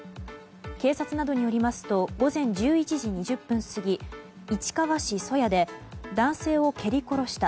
警察などによりますと午前１１時２０分過ぎ市川市曽谷で男性を蹴り殺した。